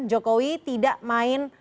jokowi tidak main